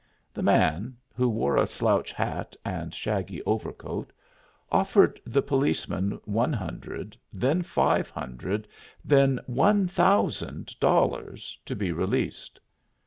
The man who wore a slouch hat and shaggy overcoat offered the policeman one hundred, then five hundred, then one thousand dollars to be released.